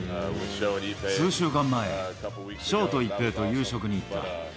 数週間前、ショウと一平と夕食に行った。